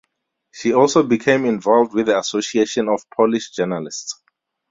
She also became involved with the Association of Polish Journalists.